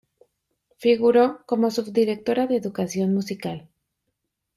Figuró como Subdirectora de Educación Musical.